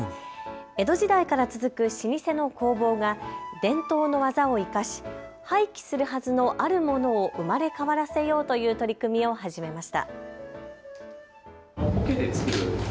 江戸時代から続く老舗の工房が伝統の技を生かし廃棄するはずのあるものを生まれ変わらせようという取り組みを始めました。